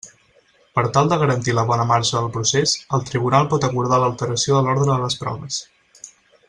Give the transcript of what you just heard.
Per tal de garantir la bona marxa del procés, el Tribunal pot acordar l'alteració de l'ordre de les proves.